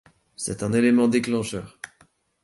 C'est un élément déclencheur.